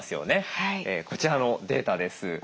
こちらのデータです。